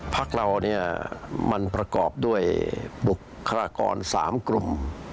พักเราเนี่ยมันประกอบด้วยบุคลากร๓กลุ่ม